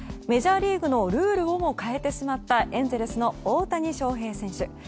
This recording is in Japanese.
メジャーリーグのルールをも変えてしまったエンゼルスの大谷翔平選手。